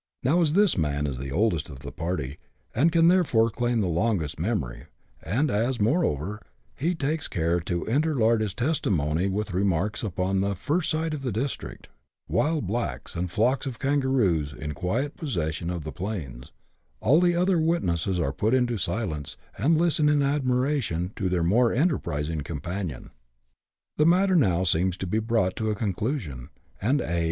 Now, as this man is the oldest of the party, and can therefore claim the longest memory, and as, moreover, he takes care to interlard his testimony with remarks upon the " first sight of the district," wild blacks, and flocks of kangaroos in quiet possession of the plains, all the other witnesses are put to silence, and listen in admiration to their more enterprising companion. The matter now seems brought to a conclusion, and A.